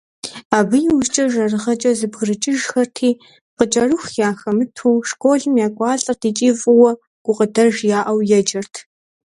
Абы иужькӏэ жэрыгъэкӏэ зэбгрыкӏыжхэрти, къыкӏэрыху яхэмыту, школым екӏуалӏэрт икӏи фӏыуэ, гукъыдэж яӏэу еджэрт.